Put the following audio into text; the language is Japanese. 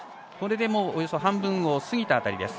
これでおよそ半分を過ぎた辺り。